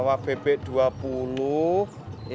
mak bapak dia wee